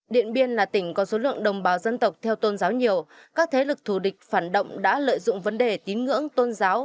điện biên là tỉnh có số lượng đồng bào dân tộc theo tôn giáo nhiều các thế lực thù địch phản động đã lợi dụng vấn đề tín ngưỡng tôn giáo